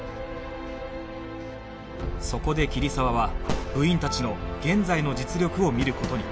そこで桐沢は部員たちの現在の実力を見る事に